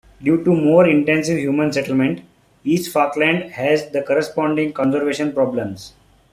Due to more intensive human settlement, East Falkland has the corresponding conservation problems.